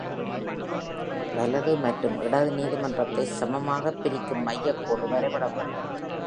வலது மற்றும் இடது நீதிமன்றத்தை சமமாக பிரிக்கும் மையக் கோடு வரையப்பட வேண்டும்.